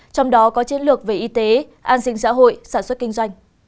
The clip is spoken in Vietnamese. trong đó có chiến lược về y tế an sinh xã hội sản xuất kinh doanh